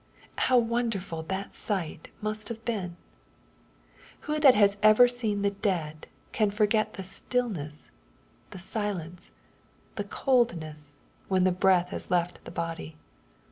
How wonderful that sight must have been I Who that has ever seen the dead, can forget the stillness, the silence, the coldness, when the breath has left the body